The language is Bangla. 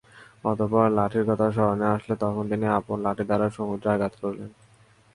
অতঃপর লাঠির কথা স্মরণে আসল, তখন তিনি আপন লাঠি দ্বারা সমুদ্রে আঘাত করলেন।